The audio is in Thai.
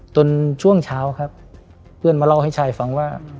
ช่วงเช้าครับเพื่อนมาเล่าให้ชายฟังว่า